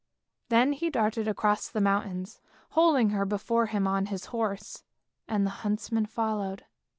" Then he darted off across the mountains, holding her before him on his horse, and the huntsmen followed.